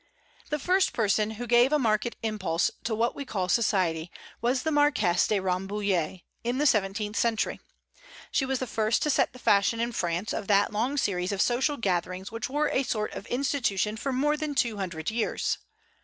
The first person who gave a marked impulse to what we call society was the Marquise de Rambouillet, in the seventeenth century. She was the first to set the fashion in France of that long series of social gatherings which were a sort of institution for more than two hundred years.